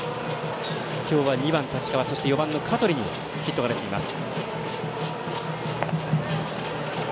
今日は２番、太刀川４番の香取にヒットが出ています。